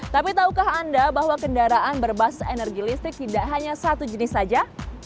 tapi tahukah anda bahwa kendaraan berbasis energi listrik tidak hanya satu jenis saja